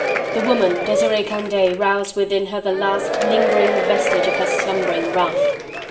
The woman Desiree Candeille roused within her the last lingering vestige of her slumbering wrath.